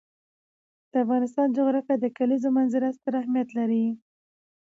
د افغانستان جغرافیه کې د کلیزو منظره ستر اهمیت لري.